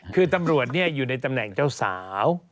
คือตำรวจอยู่ในตำแหน่งเจ้าสาว